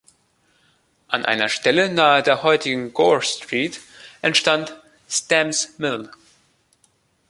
An einer Stelle nahe der heutigen Gore Street entstand "Stamp’s Mill".